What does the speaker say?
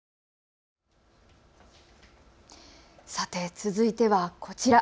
続いてはこちら。